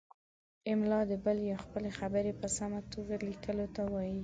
املاء د بل یا خپلې خبرې په سمه توګه لیکلو ته وايي.